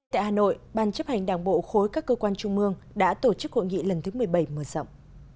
tại hà nội ban chấp hành đảng bộ khối các cơ quan trung mương đã tổ chức hội nghị lần thứ một mươi bảy mở rộng